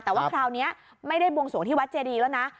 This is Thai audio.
แต่ว่าคราวนี้ไม่ได้บวงสวงที่วัดเจดีแล้วนะ